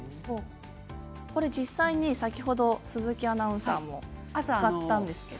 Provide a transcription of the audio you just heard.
実際に先ほど鈴木アナウンサーも使ったんですけど。